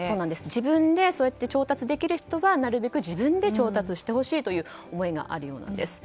自分で調達できる人はなるべく自分で調達してほしいという思いがあるようなんです。